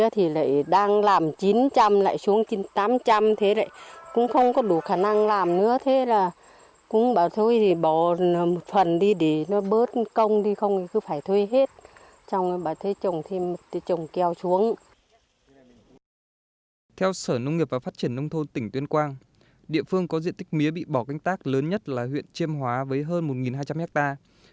theo sở nông nghiệp và phát triển nông thôn tỉnh tuyên quang địa phương có diện tích mía bị bỏ canh tác lớn nhất là huyện chiêm hóa với hơn một hai trăm linh hectare